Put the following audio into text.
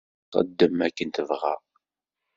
Txeddem akken tebɣa.